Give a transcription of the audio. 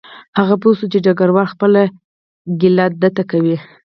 هغه پوه شو چې ډګروال خپله ګیله ده ته کوي